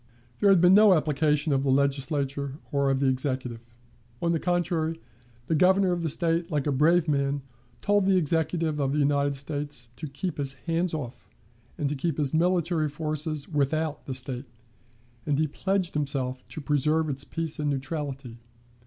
There had been no application of the Legislature or of the Executive. On the contrary, the Governor of the State, like a brave man, told the Executive of the United States to keep his hands off, and to keep his military forces without the State, and he pledged himself to preserve its peace and neutrality.